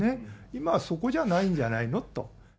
今そこじゃないんじゃないのと。